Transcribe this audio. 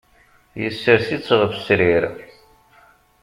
Yessers-itt ɣef srir.